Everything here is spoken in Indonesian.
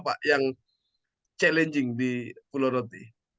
apa yang menantang di pulau rote